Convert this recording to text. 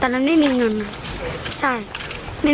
ตอนนั้นไม่มีเงินมาใช่ไม่มีเงิน